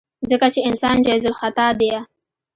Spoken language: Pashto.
ځکه چې انسان جايزالخطا ديه.